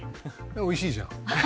おいしいじゃん。